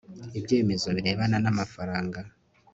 ibyemezo birebana n'amafaranga